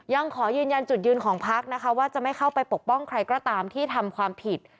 ยังขอยืนยันจุดยืนของพักนะคะว่าจะไม่เข้าไปปกป้องใครก็ตามที่ทำความผิด